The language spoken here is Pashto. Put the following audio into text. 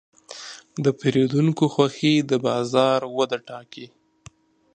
د پیرودونکو خوښي د بازار وده ټاکي.